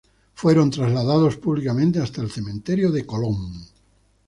Fueron trasladados públicamente hasta el Cementerio de Colón.